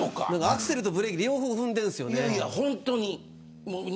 アクセルとブレーキ両方、踏んでるんですよね。